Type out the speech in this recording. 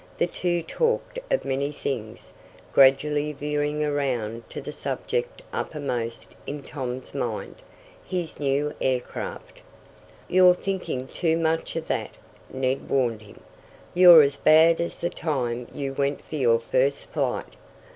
The two talked of many things, gradually veering around to the subject uppermost in Tom's mind his new aircraft. "You're thinking too much of that." Ned warned him. "You're as bad as the time you went for your first flight."